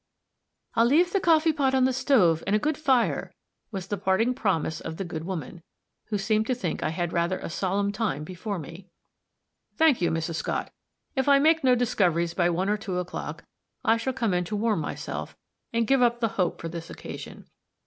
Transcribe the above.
"I'll leave the coffee pot on the stove, and a good fire," was the parting promise of the good woman, who seemed to think I had rather a solemn time before me. "Thank you, Mrs. Scott; if I make no discoveries by one or two o'clock, I shall come in to warm myself, and give up the hope for this occasion.